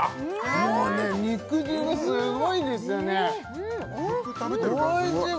もうね肉汁がすごいですよねおいしい！